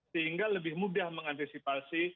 sehingga lebih mudah mengantisipasi